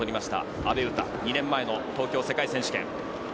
阿部詩、２年前の東京選手権。